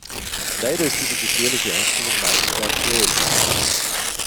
Leider ist diese gefährliche Einstellung nach wie vor aktuell, wie man sieht.